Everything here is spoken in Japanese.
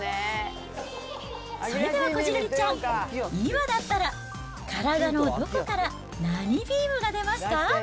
それでは、こじるりちゃん、今だったら、体のどこから何ビームが出ますか？